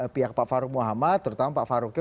pihak pak farouk muhammad terutama pak faruknya